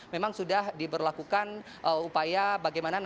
memang sudah diberlakukan upaya bagaimana